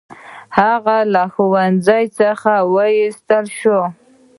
هغه له ښوونځي څخه وایستل شو.